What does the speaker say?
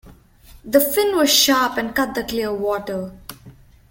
The fin was sharp and cut the clear water.